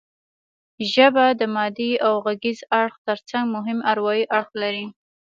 ژبه د مادي او غږیز اړخ ترڅنګ مهم اروايي اړخ لري